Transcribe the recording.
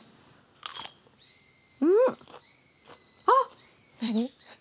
あっ！